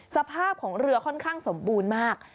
สภาพของเรือค่อนข้างสมบูรณ์มาก